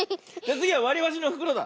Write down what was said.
つぎはわりばしのふくろだ。